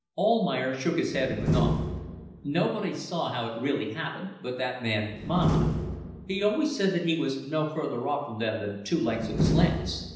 Almayer shook his head and went on "Nobody saw how it really happened but that man Mahmat. He always said that he was no further off from them than two lengths of his lance.